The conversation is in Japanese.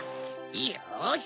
よし！